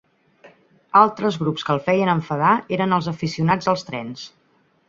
Altres grups que el feien enfadar eren els aficionats als trens.